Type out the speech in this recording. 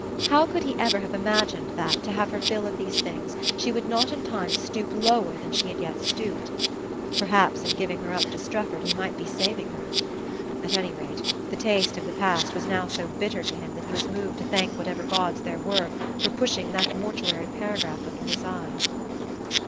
How could he ever have imagined that, to have her fill of these things, she would not in time stoop lower than she had yet stooped? Perhaps in giving her up to Strefford he might be saving her. At any rate, the taste of the past was now so bitter to him that he was moved to thank whatever gods there were for pushing that mortuary paragraph under his eye....